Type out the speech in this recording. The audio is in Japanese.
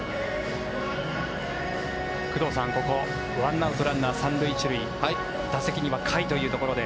工藤さん、ここ１アウト、ランナー３塁１塁打席には甲斐というところで。